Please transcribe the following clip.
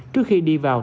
trước khi đi vào